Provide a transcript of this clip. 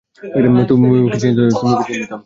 তুমিও কি চিন্তিত?